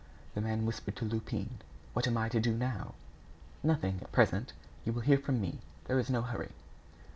The man whispered to Lupin: "What am I to do now?" "Nothing, at present. You will hear from me. There is no hurry."